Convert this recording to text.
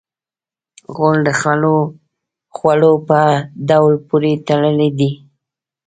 غول د خوړو په ډول پورې تړلی دی.